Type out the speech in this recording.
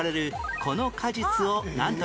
この果実をなんという？